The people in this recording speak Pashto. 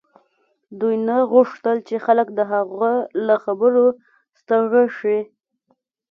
دوی نه غوښتل چې خلک د هغه له خبرو ستړي شي